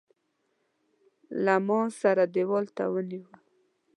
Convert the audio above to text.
ما سره دېوال ته ونیو.